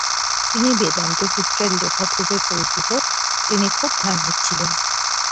তিনি বেদান্ত-সূত্রের লেখকরূপে পরিচিত, তিনি খুব ধার্মিক ছিলেন।